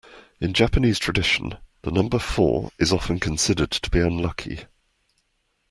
In Japanese tradition, the number four is often considered to be unlucky